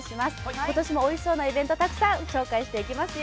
今年おいしそうなイベントをたくさん紹介していきますよ。